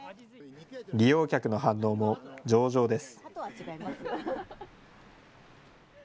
利用客の反応も上々です。